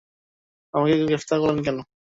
আমাকে গ্রেফতার করলেন কেন?